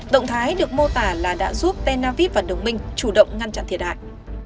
động thái được mô tả là đã giúp tel aviv và đồng minh chủ động ngăn chặn thiệt hại